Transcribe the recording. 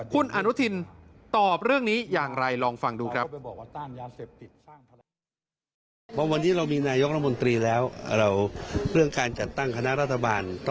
คุณอนุทินตอบเรื่องนี้อย่างไรลองฟังดูครับ